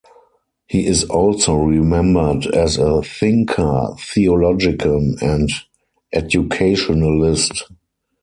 He is also remembered as a thinker, theologian, and educationalist.